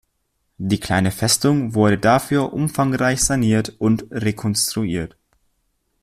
Die kleine Festung wurde dafür umfangreich saniert und rekonstruiert.